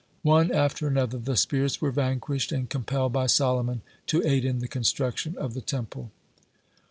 One after another the spirits were vanquished, and compelled by Solomon to aid in the construction of the Temple.